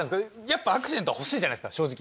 やっぱアクシデントは欲しいじゃないですか正直。